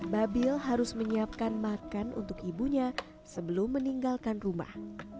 babil harus menyiapkan makan untuk ibunya sebelum meninggalkan rumah